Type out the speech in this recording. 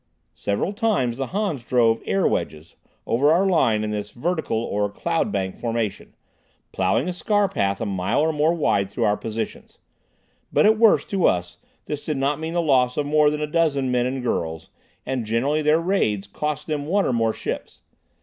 Several times the Hans drove "air wedges" over our lines in this vertical or "cloud bank" formation, ploughing a scar path a mile or more wide through our positions. But at worst, to us, this did not mean the loss of more than a dozen men and girls, and generally their raids cost them one or more ships.